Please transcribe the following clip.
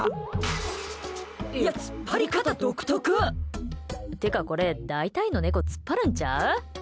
いや、つっぱり方、独特！ってか、これ大体のネコつっぱるんちゃう？